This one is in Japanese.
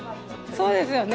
そうですよね